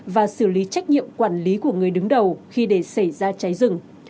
và xử lý trách nhiệm quản lý của người đứng đầu khi để xảy ra cháy rừng